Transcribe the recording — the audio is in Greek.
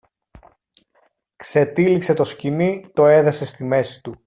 Ξετύλιξε το σκοινί, το έδεσε στη μέση του